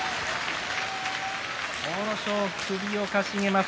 阿武咲、首をかしげます